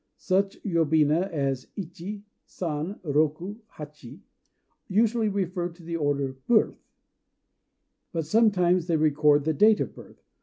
Such yobina as Ichi, San, Roku, Hachi usually refer to the order of birth; but sometimes they record the date of birth.